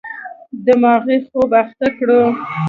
دماغي خوب اخته کړو.